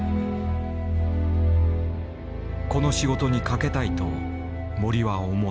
この仕事にかけたいと森は思った。